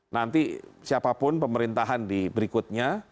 nanti siapapun pemerintahan di berikutnya